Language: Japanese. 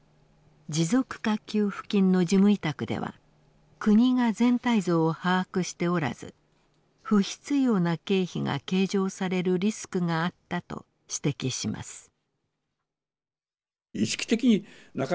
持続化給付金の事務委託では国が全体像を把握しておらず不必要な経費が計上されるリスクがあったと指摘します。